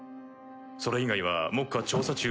それ以外は目下調査中。